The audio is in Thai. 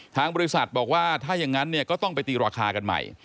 ทางบริษัทบอกว่าถ้าอย่างนั้นเนี่ยก็ต้องไปตีราคากันใหม่